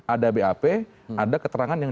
ada bap ada keterangan yang